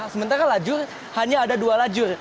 sementara lajur hanya ada dua lajur